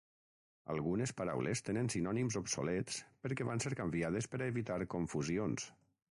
Algunes paraules tenen sinònims obsolets perquè van ser canviades per a evitar confusions.